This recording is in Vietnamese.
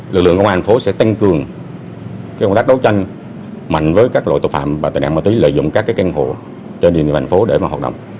lực lượng công an thành phố sẽ tăng cường công tác đấu tranh mạnh với các loại tội phạm và tệ nạn ma túy lợi dụng các căn hộ trên địa bàn thành phố để hoạt động